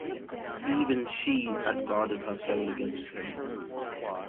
Even she had guarded her soul against him.